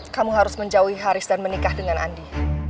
kamu harus menjauhi haris dan menikah dengan andi